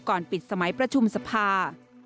ก่อนปิดสมัยประชุมสภา